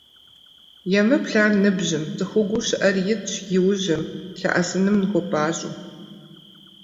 Емыплъ ар ныбжьым, цӏыхугуу щыӏэр итщ и ужьым, лъэӏэсыным ныхуэпӏащӏэу.